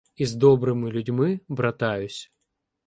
І з добрими людьми братаюсь.